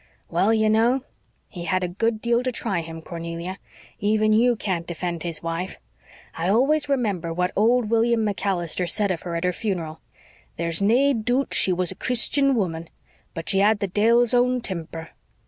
"Well, you know, he had a good deal to try him, Cornelia. Even you can't defend his wife. I always remember what old William MacAllister said of her at her funeral, 'There's nae doot she was a Chreestian wumman, but she had the de'il's own temper.'"